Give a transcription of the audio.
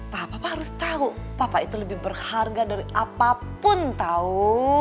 papa harus tahu papa itu lebih berharga dari apapun tau